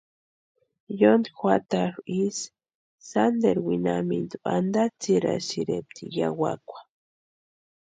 Yontki juatarhu ísï sánteru winhamintu antatsirasïrempti yawakwa.